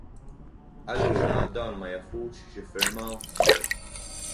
Allura dawn ma jafux x'iffirmaw!